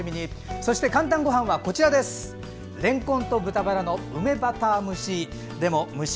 そして「かんたんごはん」はれんこんと豚バラの梅バター蒸し。